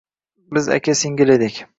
Biz aka-singil edik